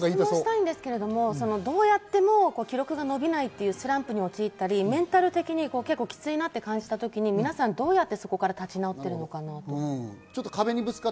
質問したいんですけど、どうやっても記録が伸びないというスランプに陥ったり、メンタル的にきついなと感じたときに皆さん、どうやってそこから立ち直っているのかなと。